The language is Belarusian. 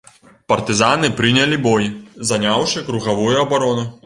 Партызаны прынялі бой, заняўшы кругавую абарону.